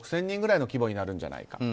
人くらいの規模になるんじゃないか。